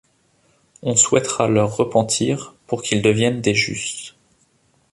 On souhaitera leur repentir pour qu’ils deviennent des justes.